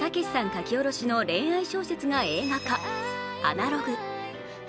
書き下ろしの恋愛小説が映画化、「アナログ」。